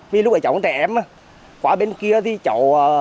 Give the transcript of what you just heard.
vì lúc đó cháu có trẻ em qua bên kia thì cháu